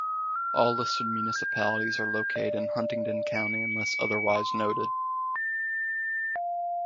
All listed municipalities are located in Huntingdon County unless otherwise noted.